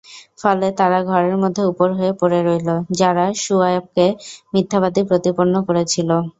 ফলে তারা ঘরের মধ্যে উপুড় হয়ে পড়ে রইল, যারা শুআয়বকে মিথ্যাবাদী প্রতিপন্ন করেছিল।